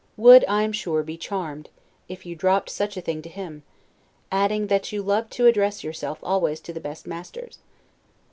] would, I am sure, be charmed, if you dropped such a thing to him; adding, that you loved to address yourself always to the best masters.